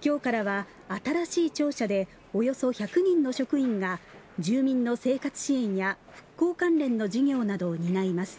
今日からは新しい庁舎でおよそ１００人の職員が住民の生活支援や復興関連の事業などを担います。